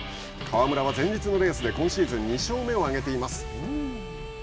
川村は、前日のレースで今シーズン２勝目を挙げています。